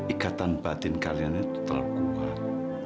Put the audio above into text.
ikatan batin kalian ini terlalu kuat